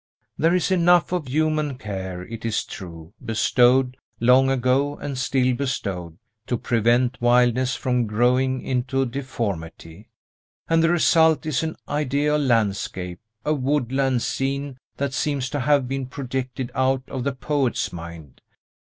There is enough of human care, it is true, bestowed, long ago and still bestowed, to prevent wildness from growing into deformity; and the result is an ideal landscape, a woodland scene that seems to have been projected out of the poet's mind.